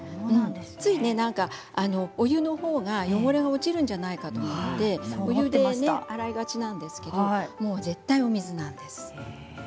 つい、お湯のほうが汚れが落ちるんじゃないかと思ってお湯で洗いがちなんですけど絶対お水なんです。